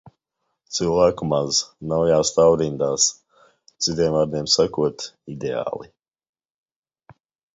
Cilvēku maz. Nav jāstāv rindās. Citiem vārdiem sakot – ideāli.